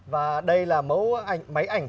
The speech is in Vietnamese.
và đây là máy ảnh